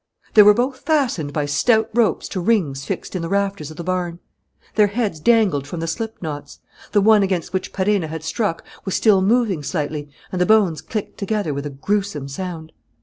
They were both fastened by stout ropes to rings fixed in the rafters of the barn. Their heads dangled from the slip knots. The one against which Perenna had struck was still moving slightly and the bones clicked together with a gruesome sound.